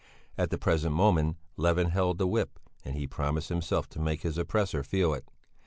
At the present moment Levin held the whip and he promised himself to make his oppressor feel it.